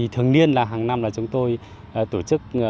thường niên là hằng năm chúng tôi tổ chức